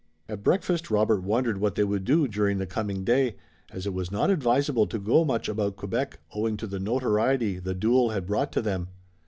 At breakfast, Robert wondered what they would do during the coming day, as it was not advisable to go much about Quebec owing to the notoriety the duel had brought to them.